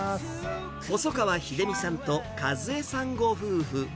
細川秀巳さんと和枝さんご夫婦。